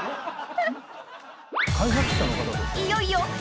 ［いよいよ］